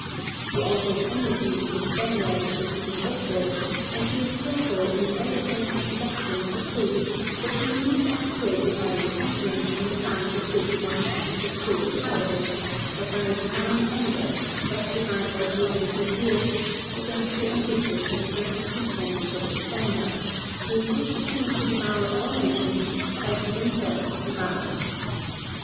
The author's enmity to the Spaniard is inveterate, and he is careful in an eloquent introduction to prove that he is not actuated by resentment on account of this one act of cruel cowardice, but by a divine anger, justified by the events of years, 'against the ambitious and bloody pretences of the Spaniard, who, seeking to devour all nations, shall be themselves devoured.'